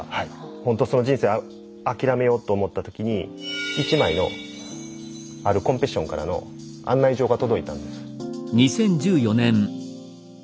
ほんとその人生諦めようと思った時に１枚のあるコンペティションからの案内状が届いたんです。